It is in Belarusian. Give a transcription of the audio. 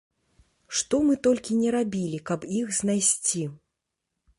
Што мы толькі не рабілі, каб іх знайсці.